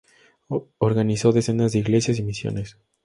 Organizó decenas de iglesias y misiones.